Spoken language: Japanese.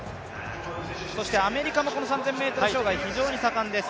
そしてアメリカもこの３０００ｍ障害、非常に盛んです。